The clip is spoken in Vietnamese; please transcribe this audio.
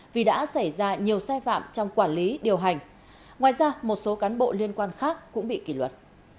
vì đã xảy ra nhiều sai phạm trong quản lý điều hành ngoài ra một số cán bộ liên quan khác cũng bị kỷ luật